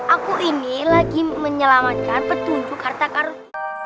aku ini lagi menyelamatkan petunjuk harta karun